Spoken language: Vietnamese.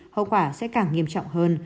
hậu quả sẽ càng nghiêm trọng hơn